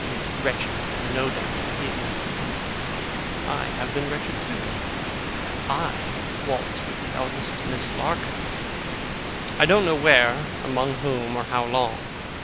He is wretched, I have no doubt; but he is nothing to me. I have been wretched, too. I waltz with the eldest Miss Larkins! I don't know where, among whom, or how long.